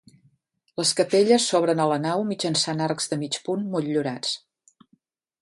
Les capelles s'obren a la nau mitjançant arcs de mig punt motllurats.